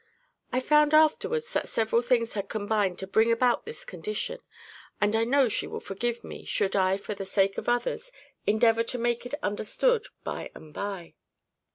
I found afterwards that several things had combined to bring about this condition; and I know she will forgive me, should I, for the sake of others, endeavour to make it understood by and by.